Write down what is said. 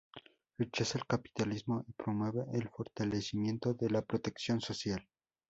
Rechaza el capitalismo y promueve el fortalecimiento de la protección social.